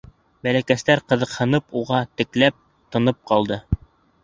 Бәләкәстәр, ҡыҙыҡһынып, уға текләп тынып ҡалды.